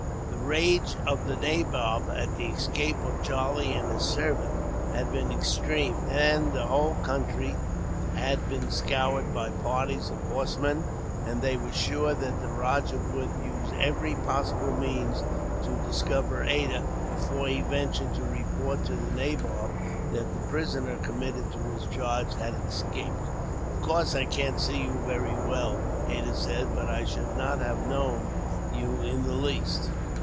The rage of the nabob at the escape of Charlie and his servant had been extreme, and the whole country had been scoured by parties of horsemen; and they were sure that the rajah would use every possible means to discover Ada, before he ventured to report to the nabob that the prisoner committed to his charge had escaped. "Of course, I can't see you very well," Ada said, "but I should not have known you, in the least."